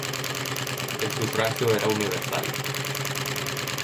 El sufragio era universal.